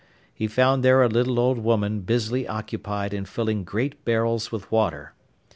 He found there a little old woman busily occupied in filling great barrels with water.